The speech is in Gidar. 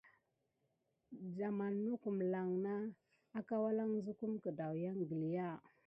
Waman nokum lan ki ump ɗuà sim sime ɗaou wisi gəlya.